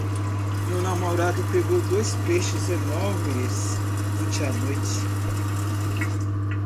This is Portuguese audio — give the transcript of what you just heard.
Meu namorado pegou dois peixes enormes ontem à noite.